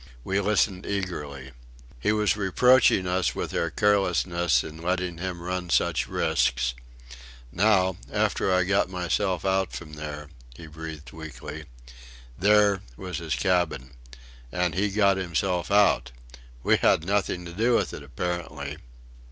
We listened eagerly. He was reproaching us with our carelessness in letting him run such risks: "Now, after I got myself out from there," he breathed out weakly. "There" was his cabin. And he got himself out. We had nothing to do with it apparently!...